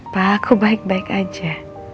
pak aku baik baik aja